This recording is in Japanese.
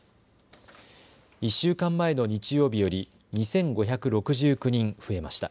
１週間前の日曜日より２５６９人増えました。